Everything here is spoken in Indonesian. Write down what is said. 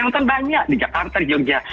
nonton banyak di jakarta juga